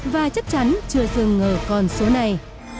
và chắc chắn chưa dừng ngờ còn số này